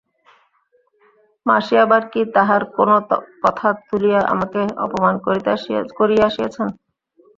মাসি আবার কি তাহার কোনো কথা তুলিয়া তাঁহাকে অপমান করিয়া আসিয়াছেন!